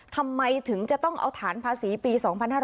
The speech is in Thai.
ทำไมถึงจะต้องเอาฐานภาษีปี๒๕๕๙